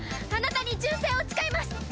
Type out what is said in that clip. あなたに忠誠を誓います！